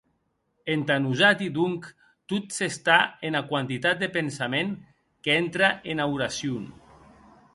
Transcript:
Entà nosati, donc, tot s’està ena quantitat de pensament qu’entre ena oracion.